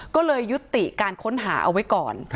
ก็เลยยุติการค้นหาเอาไว้ก่อน